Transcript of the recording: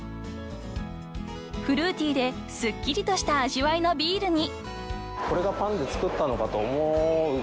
［フルーティーですっきりとした味わいのビールに］